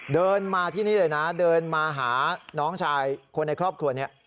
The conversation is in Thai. เดินมาที่นี่เลยนะเดินมาหาน้องชายคนในครอบครัวนี้